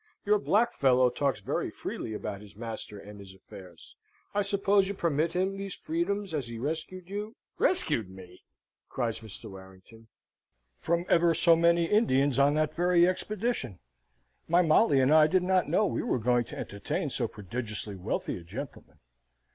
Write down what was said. Your black fellow talks very freely about his master and his affairs. I suppose you permit him these freedoms as he rescued you " "Rescued me?" cries Mr. Warrington. "From ever so many Indians on that very expedition. My Molly and I did not know we were going to entertain so prodigiously wealthy a gentleman.